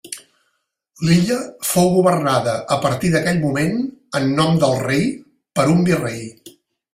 L'illa fou governada a partir d'aquell moment en nom del rei per un virrei.